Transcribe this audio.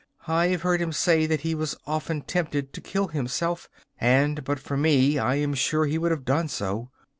I have heard him say that he was often tempted to kill himself, and but for me I am sure he would have done so.